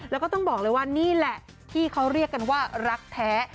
แล้วก็ต้องบอกเลยว่านี่แหละที่เขาเรียกกันว่ารักแท้